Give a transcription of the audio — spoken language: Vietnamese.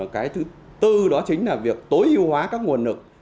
cái thứ tư đó chính là việc tối ưu hóa các nguồn lực